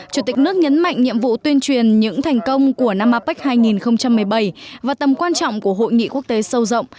chủ tịch nước nhấn mạnh nhiệm vụ tuyên truyền những thành công của năm apec hai nghìn một mươi bảy và tầm quan trọng của hội nghị quốc tế sâu rộng